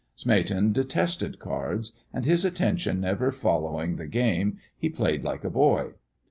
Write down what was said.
Smeaton detested cards, and his attention never following the game he played like a boy.